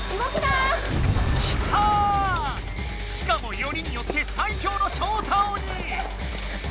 しかもよりによって最強のショウタ鬼。